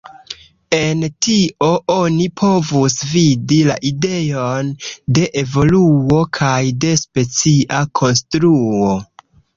En tio oni povus vidi la ideon de evoluo kaj de specia konstruo.